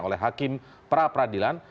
oleh hakim prapak